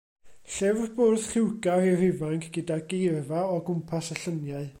Llyfr bwrdd lliwgar i'r ifanc gyda geirfa o gwmpas y lluniau.